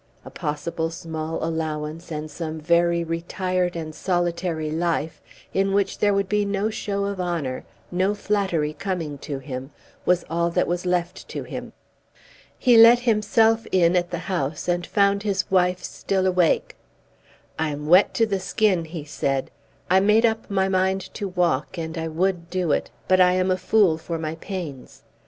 A possible small allowance and some very retired and solitary life, in which there would be no show of honour, no flattery coming to him, was all that was left to him. He let himself in at the house, and found his wife still awake. "I am wet to the skin," he said. "I made up my mind to walk, and I would do it; but I am a fool for my pains."